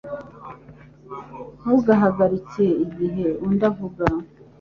Ntugahagarike igihe undi avuga.